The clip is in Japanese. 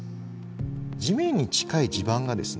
地面に近い地盤がですね